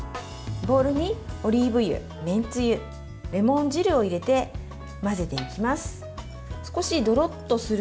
ボウルにオリーブ油、めんつゆレモン汁を入れて混ぜていきます。